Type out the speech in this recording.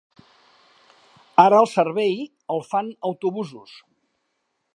Ara el servei el fan autobusos.